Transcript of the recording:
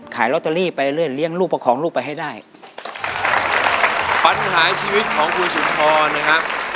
ขายลอตเตอรี่ไปเรื่อยเลี้ยงลูกประคองลูกไปให้ได้ปัญหาชีวิตของคุณสุนทรนะครับ